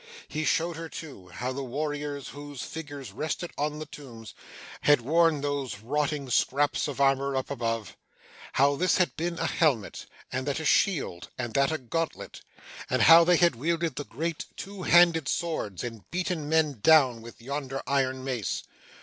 He showed her too, how the warriors, whose figures rested on the tombs, had worn those rotting scraps of armour up above how this had been a helmet, and that a shield, and that a gauntlet and how they had wielded the great two handed swords, and beaten men down, with yonder iron mace.